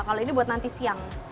kalau ini buat nanti siang